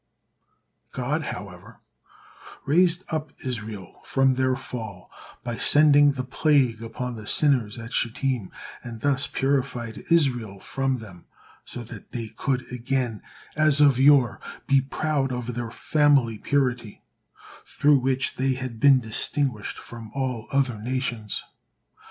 God, however, raised up Israel from their fall by sending the plague upon the sinners at Shittim, and thus purified Israel from them, so that they could again, as of yore, be proud of their family purity, through which they had been distinguished from all other nations.